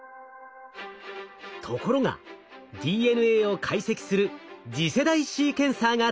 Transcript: ところがＤＮＡを解析する次世代シーケンサーが登場。